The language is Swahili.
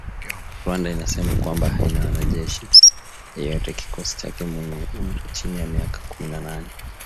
Rwanda inasema kwamba “haina mwanajeshi yeyote kikosi chake mwenye umri chini ya miaka kumi na nane"